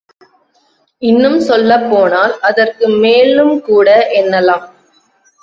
இன்னும் சொல்லப்போனால் அதற்கு மேலும்கூட என்னலாம்!